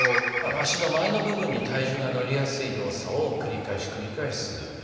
足の前の部分に体重がのりやすい動作を繰り返し繰り返しする。